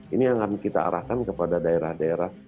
ini yang akan kita arahkan kepada daerah daerah